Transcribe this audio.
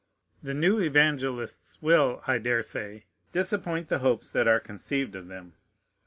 The new evangelists will, I dare say, disappoint the hopes that are conceived of them.